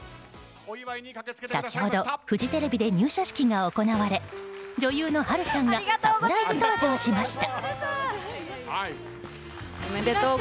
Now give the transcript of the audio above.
先ほどフジテレビで入社式が行われ女優の波瑠さんがサプライズ登場しました。